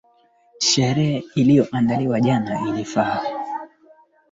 Magari katika barabara za Mombasa huenda kwa mwendo wa kasi.